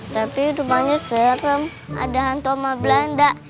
tapi rumahnya serem ada hantu sama belanda